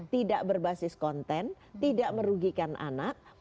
tidak berbasis konten tidak merugikan anak